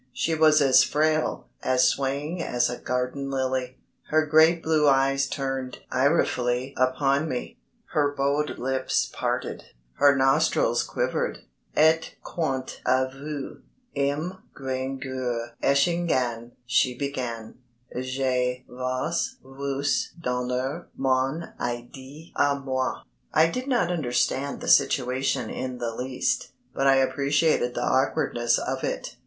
She was as frail, as swaying as a garden lily. Her great blue eyes turned irefully upon me, her bowed lips parted, her nostrils quivered. "Et quant à vous, M. Grangeur Eschingan," she began, "je vais vous donner mon idée à moi ..." I did not understand the situation in the least, but I appreciated the awkwardness of it.